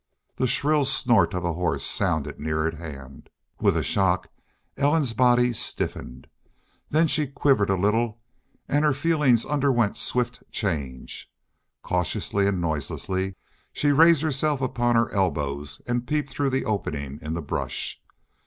The shrill snort of a horse sounded near at hand. With a shock Ellen's body stiffened. Then she quivered a little and her feelings underwent swift change. Cautiously and noiselessly she raised herself upon her elbows and peeped through the opening in the brush.